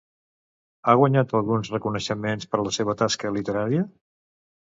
Ha guanyat alguns reconeixements per la seva tasca literària?